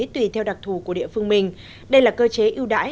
tùy theo đặc thù của địa phương mình đây là cơ chế ưu đãi